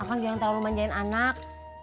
akang jangan terlalu manjain anak